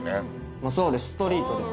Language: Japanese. そうですストリートです。